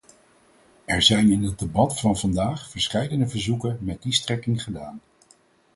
Er zijn in het debat van vandaag verscheidene verzoeken met die strekking gedaan.